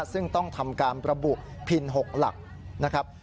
ซึ่งต้องทำการประบุพิน๖หลักนะครับ